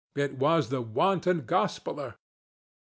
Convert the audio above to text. It was the wanton gospeller.